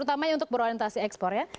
utamanya untuk berorientasi ekspor ya